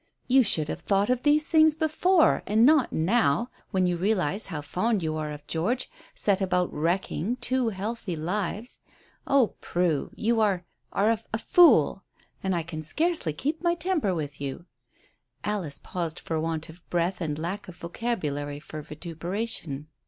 You should have thought of these things before, and not now, when you realize how fond you are of George, set about wrecking two healthy lives. Oh, Prue, you are are a fool! And I can scarcely keep my temper with you." Alice paused for want of breath and lack of vocabulary for vituperation.